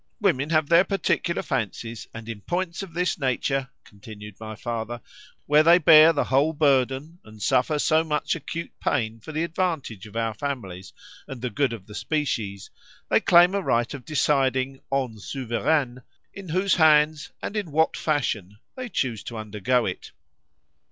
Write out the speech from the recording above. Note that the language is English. —Women have their particular fancies, and in points of this nature, continued my father, where they bear the whole burden, and suffer so much acute pain for the advantage of our families, and the good of the species,—they claim a right of deciding, en Souveraines, in whose hands, and in what fashion, they choose to undergo it.